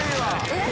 えっ？